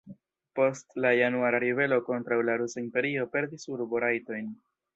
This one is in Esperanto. Post la januara ribelo kontraŭ la Rusa Imperio perdis urborajtojn.